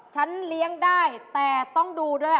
ฉันเลี้ยงได้แต่ต้องดูด้วย